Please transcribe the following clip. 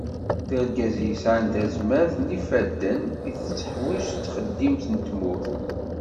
D argaz i yesεan tazmert n yifadden i tetteḥwiğ txeddimt n tmurt.